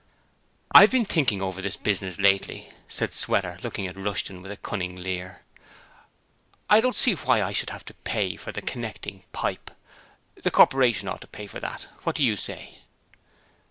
'I've been thinking over this business lately,' said Sweater, looking at Rushton with a cunning leer. 'I don't see why I should have to pay for the connecting pipe. The Corporation ought to pay for that. What do you say?'